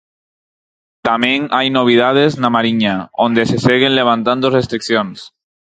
Tamén hai novidades na Mariña, onde se seguen levantando restricións.